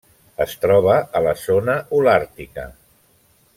Es troba a la zona holàrtica.